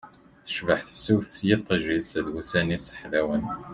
Tecbeḥ tefsut s yiṭij-is d wussan-is ḥlawen